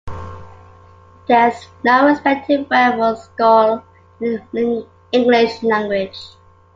There is no respective word for Schorle in the English language.